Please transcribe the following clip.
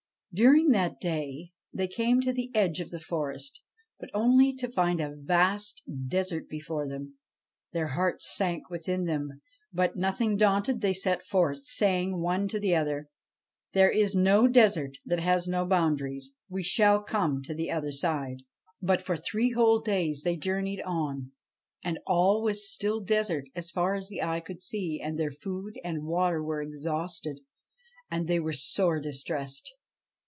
During that day they came to the edge of the forest, but only to find a vast desert before them. Their hearts sank within them, but, nothing daunted, they set forth, saying one to the other, ' There is no desert that has no boundaries. We shall come to the other side.' But for three whole days they journeyed on, and all was still desert as far as the eye could see ; and their food and water were exhausted, and they were sore distressed.